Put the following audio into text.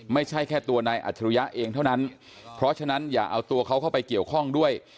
ไม่ใช่แค่ตัวนายอัจฉริยะเองเท่านั้นเพราะฉะนั้นอย่าเอาตัวเขาเข้าไปเกี่ยวข้องด้วย